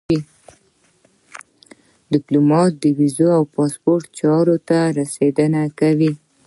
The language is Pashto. ډيپلومات د ویزو او پاسپورټ چارو ته رسېدنه کوي.